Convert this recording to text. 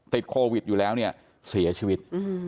ติดโควิดอยู่แล้วเนี่ยเสียชีวิต